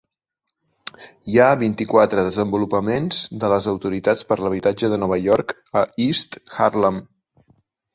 Hi ha vint-i-quatre desenvolupaments de les Autoritats per l'habitatge de Nova York a East Harlem.